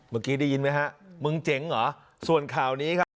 เมื่อกี้ได้ยินไหมฮะมึงเจ๋งเหรอส่วนข่าวนี้ครับ